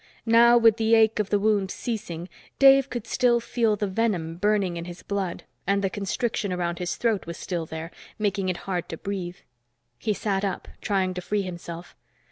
Now with the ache of the wound ceasing, Dave could still feel the venom burning in his blood, and the constriction around his throat was still there, making it hard to breathe. He sat up, trying to free himself.